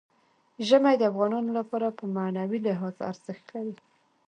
ژمی د افغانانو لپاره په معنوي لحاظ ارزښت لري.